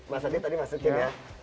mas adi tadi masukin ya